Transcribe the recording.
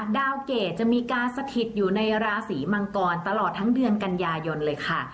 ดาวเกรดจะมีการสถิตอยู่ในราศีมังกรตลอดทั้งเดือนกันยายนเลยค่ะ